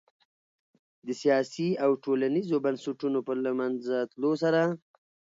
د سیاسي او ټولنیزو بنسټونو په له منځه تلو سره